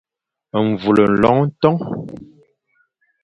Mvul, loñ ton.